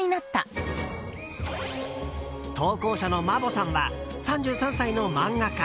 投稿者のまぼさんは３３歳の漫画家。